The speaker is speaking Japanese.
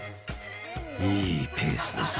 ［いいペースです］